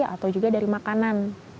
atau juga dari makanan